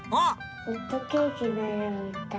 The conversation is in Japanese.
ホットケーキのいろみたい。